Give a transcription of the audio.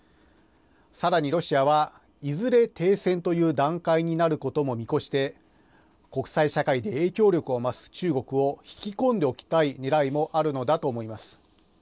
さらにロシアは、いずれ停戦という段階になることも見越して、国際社会で影響力を増す中国を引き込んでおきたいねらいもあるのだと思います。